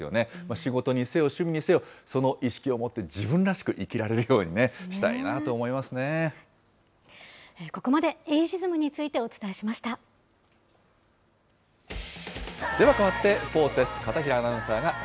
仕事にせよ、趣味にせよ、その意識を持って自分らしく生きられるここまでエイジズムについてでは変わって、スポーツです。